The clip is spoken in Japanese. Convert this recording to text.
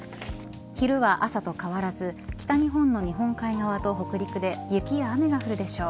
昼は朝と変わらず北日本の日本海側と北陸で雪や雨が降るでしょう。